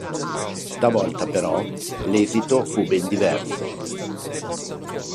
Stavolta però l'esito fu ben diverso.